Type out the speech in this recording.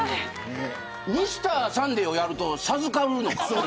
Ｍｒ．サンデーをやると授かるのか。